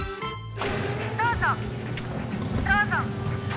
どうぞどうぞ。